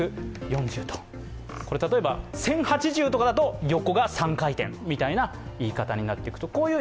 １０８０だと、横が３回転みたいな言い方になっていきます。